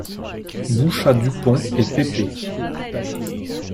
Bouchat-Dupont et P-P.